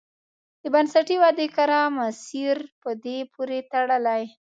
د بنسټي ودې کره مسیر په دې پورې تړلی.